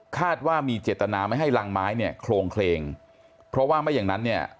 ว่ามีเจตนาไม่ให้รังไม้เนี่ยโครงเคลงเพราะว่าไม่อย่างนั้นเนี่ย